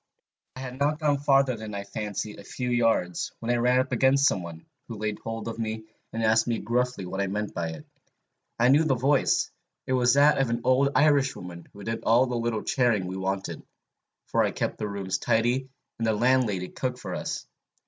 "I had not gone farther, I fancy, than a few yards, when I ran up against some one, who laid hold of me, and asked me gruffly what I meant by it. I knew the voice: it was that of an old Irishwoman who did all the little charing we wanted, for I kept the rooms tidy, and the landlady cooked for us.